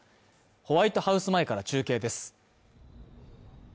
ホワイトハウス前から中継です